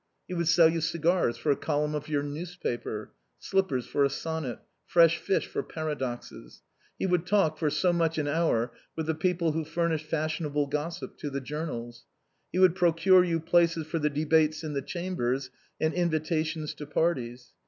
He would sell you cigars for a column of your newspaper, slippers for a sonnet, fresh fish for paradoxes; he would talk, for so much an hour, with the people who furnished fashionable gossip to the journals. He would procure you places for the debates in the Cham bers, and invitations to parties.